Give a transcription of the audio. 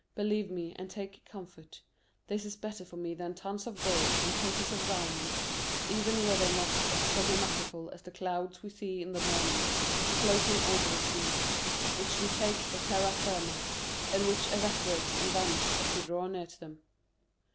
Believe me, and take comfort, this is better for me than tons of gold and cases of diamonds, even were they not as problematical as the clouds we see in the morning floating over the sea, which we take for terra firma, and which evaporate and vanish as we draw near to them.